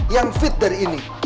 yang fit dari ini